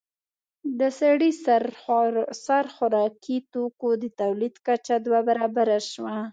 د سړي سر خوراکي توکو د تولید کچه دوه برابره شوه